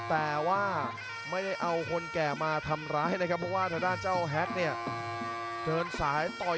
แต่ไม่ได้เอาแก่มาทำร้ายนะครับเพราะเพราะว่าทหารเเจาะเเงินสายต่อย